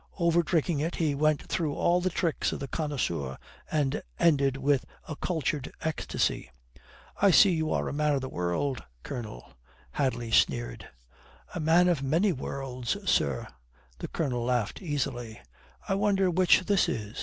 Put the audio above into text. Over drinking it he went through all the tricks of the connoisseur and ended with a cultured ecstasy. "I see you are a man of the world, Colonel," Hadley sneered. "A man of many worlds, sir," the Colonel laughed easily. "I wonder which this is?"